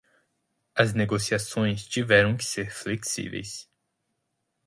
As negociações tiveram que ser flexíveis.